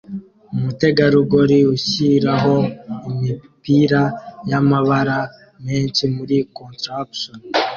Umutegarugori ushyiraho imipira y'amabara menshi muri contraption